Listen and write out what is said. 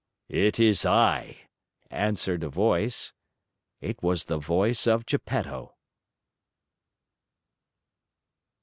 "It is I," answered a voice. It was the voice of Geppetto.